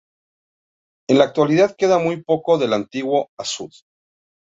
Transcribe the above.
En la actualidad queda muy poco del antiguo azud.